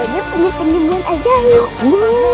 jadi penyembuhan ajaib